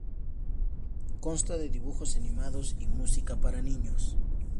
Consta de dibujos animados y música para niños.